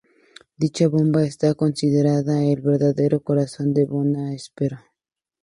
Dicha bomba está considerada el verdadero corazón de Bona Espero.